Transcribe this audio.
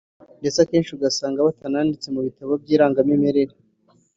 ndetse akenshi ugasanga batananditse mu bitabo by’irangamimerere